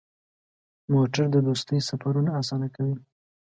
موټر د دوستۍ سفرونه اسانه کوي.